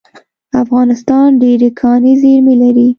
افغانستان ډیرې کاني زیرمې لري